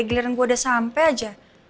giliran gue udah sampai aja